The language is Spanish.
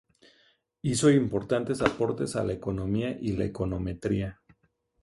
Hizo importantes aportes a la Economía y la Econometría.